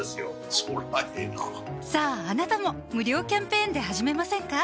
そりゃええなさぁあなたも無料キャンペーンで始めませんか？